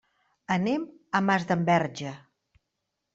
Anem a Masdenverge.